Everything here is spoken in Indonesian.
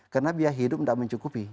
karena biaya hidup tidak mencukupi